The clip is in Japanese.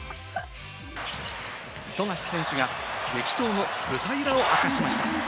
富樫選手が激闘の舞台裏を明かしました。